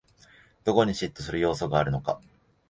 どこに嫉妬する要素があるのか